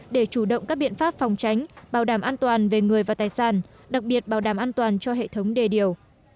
để chủ động các biện pháp phòng tránh bảo đảm an toàn về người và tài sản đặc biệt bảo đảm an toàn cho hệ thống đề điều